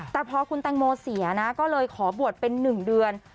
แต่พอคุณแตงโมเสียนะก็เลยขอบวชเป็น๑เดือน